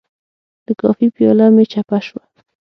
د کافي پیاله مې چپه شوه.